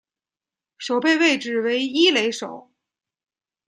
守备位置为一垒手。